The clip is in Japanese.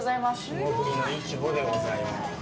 霜降りのイチボでございます。